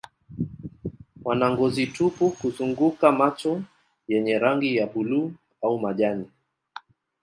Wana ngozi tupu kuzunguka macho yenye rangi ya buluu au majani.